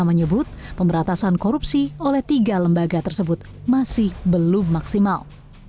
menyebut pemberantasan korupsi oleh tiga lembaga tersebut masih belum maksimal